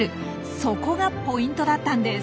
そこがポイントだったんです。